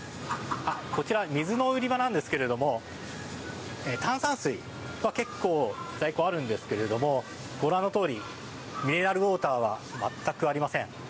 こちら、水の売り場なんですが炭酸水は結構、在庫あるんですけれどもご覧のとおりミネラルウォーターは全くありません。